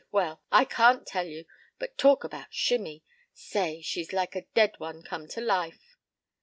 Well, I can't tell you, but talk about Shimmie! Say, she's like a dead one come to life."